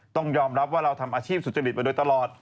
ต้องยอมรับว่าเราทำอาชีพสุจริตมาโดยตลอด